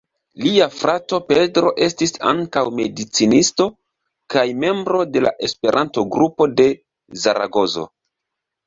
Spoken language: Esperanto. Lia frato Pedro estis ankaŭ medicinisto, kaj membro de la Esperanto-grupo de Zaragozo.